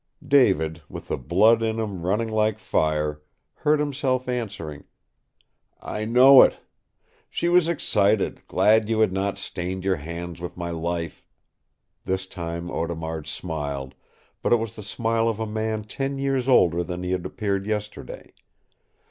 David, with the blood in him running like fire, heard himself answering, "I know it. She was excited, glad you had not stained your hands with my life " This time Audemard smiled, but it was the smile of a man ten years older than he had appeared yesterday.